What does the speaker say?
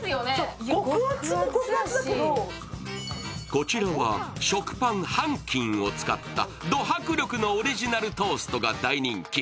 こちらは食パン半斤を使ったド迫力のオリジナルトーストが大人気。